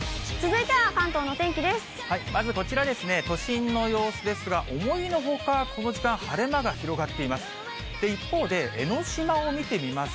まずこちらですね、都心の様子ですが、思いのほか、この時間、晴れ間が広がっています。